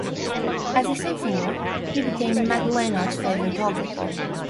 As a sophomore, he became Matt Leinart's favorite target.